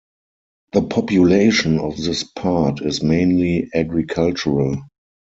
The population of this part is mainly agricultural.